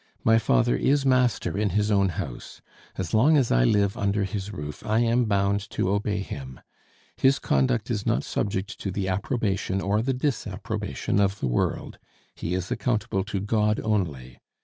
My father is master in his own house. As long as I live under his roof I am bound to obey him. His conduct is not subject to the approbation or the disapprobation of the world; he is accountable to God only.